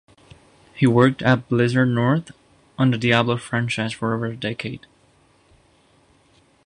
He worked at Blizzard North on the "Diablo" franchise for over a decade.